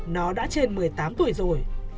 nó đã trên một mươi tám tuổi rồi